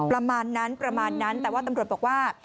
ประมาณนั้นประมาณนั้นแต่ว่าตำรวจบอกว่า